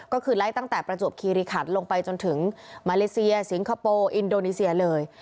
ก็คือไล่ตั้งแต่ประจวบคีริขันลงไปจนถึงมาเลเซียสิงคโปร์อินโดนีเซียเลย